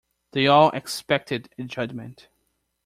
They all expected a judgment.